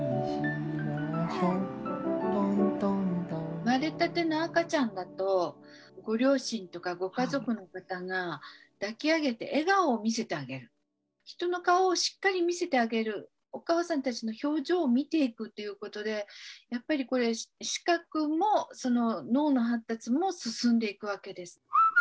生まれたての赤ちゃんだとご両親とかご家族の方が抱き上げて笑顔を見せてあげる人の顔をしっかり見せてあげるお母さんたちの表情を見ていくということでやっぱりこれ視覚も脳の発達も進んでいくわけです。